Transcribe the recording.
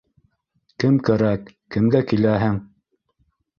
Кем кәрәк, кемгә киләһең?